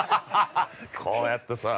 こうやってさあ。